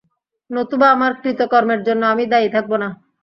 নতুবা, আমার কৃতকর্মের জন্য আমি দায়ী থাকব না।